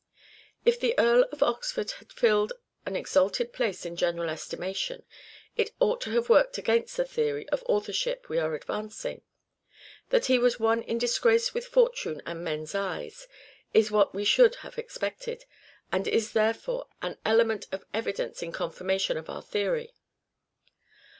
If the Earl of Oxford had filled an exalted place in general estimation, it ought to have worked against the theory of authorship we are advancing. That he was one " in disgrace with Fortune and men's eyes " is what we should have expected, and is there fore an element of evidence in confirmation of our theory.